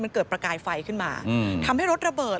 มันเกิดประกายไฟขึ้นมาทำให้รถระเบิด